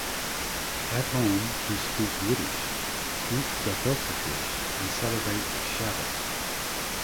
At home, you speak Yiddish, eat gefilte fish, and celebrate Shabbat.